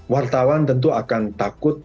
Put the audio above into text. wartawan tentu akan takut